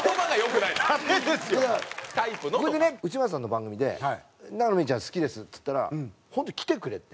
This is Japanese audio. だからこれでね内村さんの番組で永野芽郁ちゃん好きですっつったら本当に来てくれて。